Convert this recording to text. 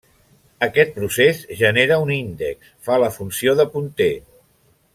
Aquest procés genera un índex, fa la funció de punter.